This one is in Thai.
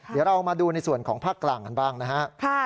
เดี๋ยวเรามาดูในส่วนของภาคกลางกันบ้างนะครับ